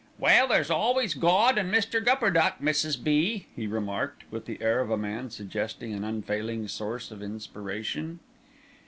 "Well, there's always Gawd an' Mr. Gupperduck, Mrs. B.," he remarked, with the air of a man suggesting an unfailing source of inspiration.